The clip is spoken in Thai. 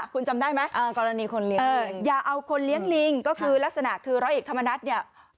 คุณจำได้ไหมอย่าเอาคนเลี้ยงลิงก็คือลักษณะคือร้อยเอกธรรมนัฏเนี่ย